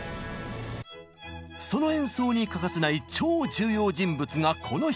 その演奏に欠かせない超重要人物がこの人。